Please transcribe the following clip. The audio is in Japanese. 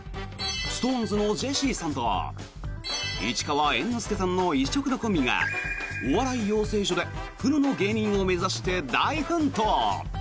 ＳｉｘＴＯＮＥＳのジェシーさんと市川猿之助さんの異色のコンビがお笑い養成所でプロの芸人を目指して大奮闘！